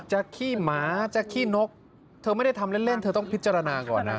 ขี้หมาจะขี้นกเธอไม่ได้ทำเล่นเธอต้องพิจารณาก่อนนะ